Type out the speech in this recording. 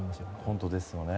本当ですよね。